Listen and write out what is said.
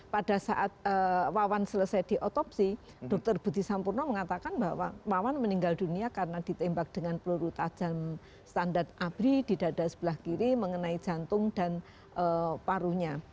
pada saat wawan selesai diotopsi dr budi sampurno mengatakan bahwa wawan meninggal dunia karena ditembak dengan peluru tajam standar abri di dada sebelah kiri mengenai jantung dan parunya